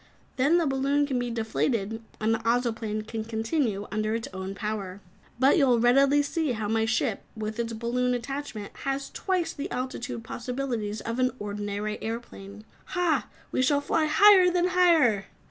Then the balloon can be deflated and the Ozoplane can continue under its own power. But you will readily see how my ship, with its balloon attachment, has twice the altitude possibilities of an ordinary airplane. Hah! We shall fly higher than higher!"